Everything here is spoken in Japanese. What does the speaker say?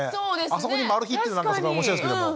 あそこにマル秘っていうのが面白いですけども。